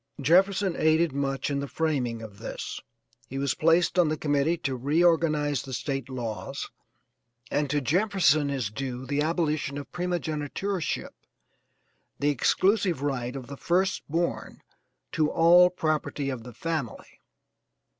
Jefferson aided much in the framing of this. He was placed on the committee to reorganize the State laws, and to Jefferson is due the abolition of Primogenitureship the exclusive right of the first born to all property of the family.